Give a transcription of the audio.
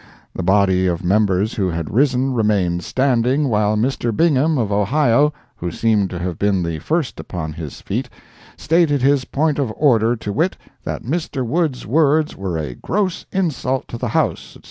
The body of members who had risen remained standing, while Mr. Bingham, of Ohio, who seemed to have been the first upon his feet, stated his point of order, to wit, that Mr. Wood's words were a gross insult to the House, etc.